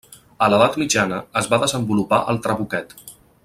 A l'edat mitjana, es va desenvolupar el trabuquet.